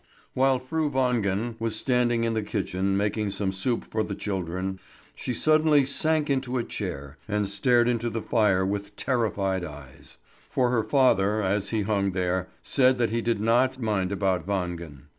While Fru Wangen was standing in the kitchen making some soup for the children, she suddenly sank into a chair and stared into the fire with terrified eyes, for her father, as he hung there, said that he did not mind about Wangen.